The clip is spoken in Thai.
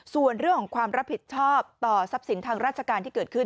ส่วนเรื่องของความรับผิดชอบต่อทรัพย์สินทางราชการที่เกิดขึ้น